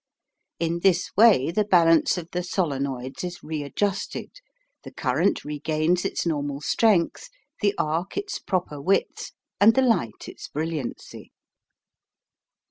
In this way the balance of the solenoids is readjusted, the current regains its normal strength, the arc its proper width, and the light its brilliancy.